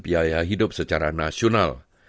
biaya hidup secara nasional